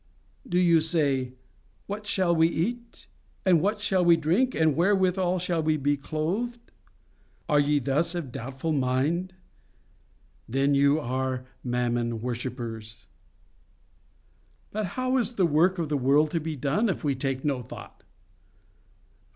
Do you say—'What shall we eat? and what shall we drink? and wherewithal shall we be clothedl?' Are ye thus of doubtful mind?—Then you are Mammon worshippers. "But how is the work of the world to be done if we take no thought?